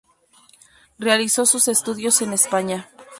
Realizó sus estudios en España.